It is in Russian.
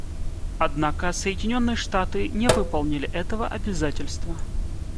Однако Соединенные Штаты не выполнили этого обязательства.